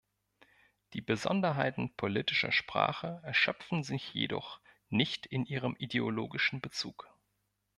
Die Besonderheiten politischer Sprache erschöpfen sich jedoch nicht in ihrem ideologischen Bezug.